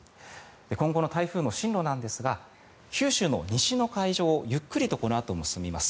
今後の台風の進路なんですが九州の西の海上をゆっくりとこのあとも進みます。